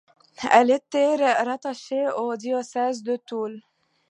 Elle était rattaché au diocèse de Toul.